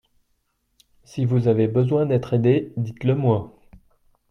Si vous avez besoin d'être aidé, dites le moi.